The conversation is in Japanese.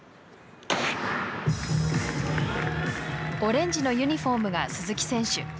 オレンジのユニフォームが鈴木選手。